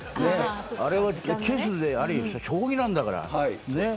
あれは、チェスであり将棋なんだから。